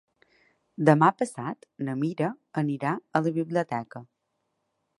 Demà passat na Mira anirà a la biblioteca.